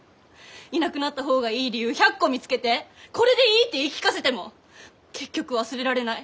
いなくなった方がいい理由１００個見つけて「これでいい」って言い聞かせても結局忘れられない。